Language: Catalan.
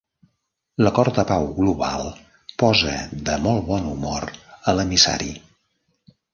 L'acord de pau global posa de molt bon humor a l'emissari.